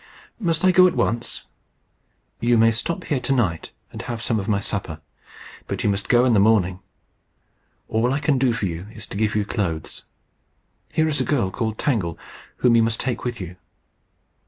"Must I go at once?" "You may stop here to night, and have some of my supper. But you must go in the morning. All I can do for you is to give you clothes. Here is a girl called Tangle, whom you must take with you."